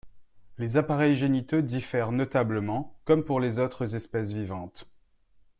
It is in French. Les appareils génitaux diffèrent notablement, comme pour les autres espèces vivantes.